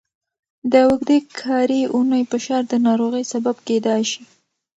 د اوږدې کاري اونۍ فشار د ناروغۍ سبب کېدای شي.